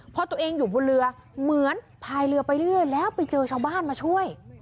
พอตัวเองอยู่บนเรือเหมือนพายเรือไปเรื่อยแล้วไปเจอชาวบ้านมาช่วย